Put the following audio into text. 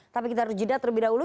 tapi kita harus jeda terlebih dahulu